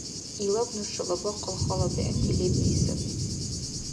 Илаб нушала бахъал хала бегӀти лебти саби.